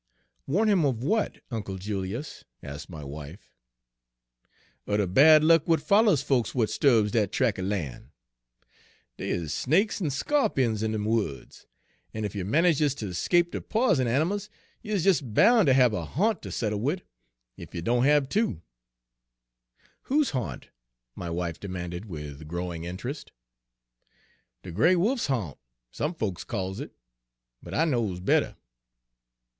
"Warn him of what, Uncle Julius?" asked my wife. "Er de bad luck w'at follers folks w'at 'sturbs dat trac' er lan'. Dey is snakes en sco'pions in dem woods. En ef you manages ter 'scape de p'isen animals, you is des boun' ter hab a ha'nt ter settle wid, ef you doan hab two." "Whose haunt?" my wife demanded, with growing interest. "De gray wolf's ha'nt, some folks calls it, but I knows better."